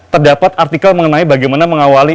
terdapat artikel mengenai bagaimana mengawali